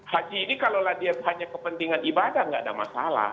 haji ini kalau dia hanya kepentingan ibadah tidak ada masalah